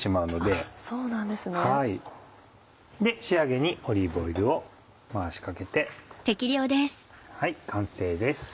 仕上げにオリーブオイルを回しかけて完成です。